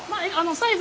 サイズ